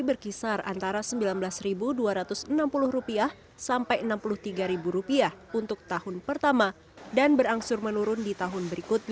berkisar antara sembilan belas dua ratus enam puluh rupiah sampai enam puluh tiga rupiah untuk tahun pertama dan berangsur menurun